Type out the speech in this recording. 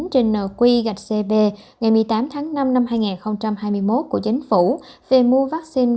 trên nq gạch cb ngày một mươi tám tháng năm năm hai nghìn hai mươi một của chính phủ về mua vaccine